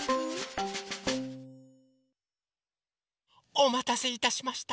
おまたせいたしました！